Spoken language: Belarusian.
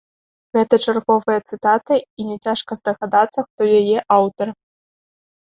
Гэта чарговая цытата, і няцяжка здагадацца, хто яе аўтар.